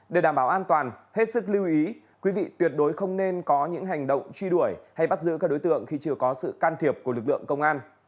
để đảm bảo an toàn hết sức lưu ý quý vị tuyệt đối không nên có những hành động truy đuổi hay bắt giữ các đối tượng khi chưa có sự can thiệp của lực lượng công an